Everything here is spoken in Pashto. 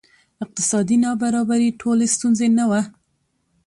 اقتصادي نابرابري ټولې ستونزې نه وه.